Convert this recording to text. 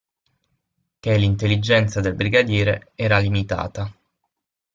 Ché l'intelligenza del brigadiere era limitata.